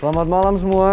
selamat malam semua